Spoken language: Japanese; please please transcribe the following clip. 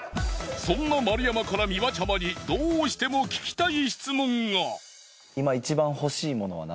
そんな丸山からミワちゃまにどうしても聞きたい質問が！